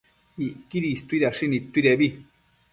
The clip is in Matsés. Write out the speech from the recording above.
Icquidi istuidashi nidtuidebi